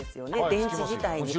電池自体に。